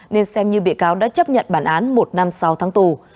nên xem như bị cáo đã chấp nhận bản án một năm sáu tháng tù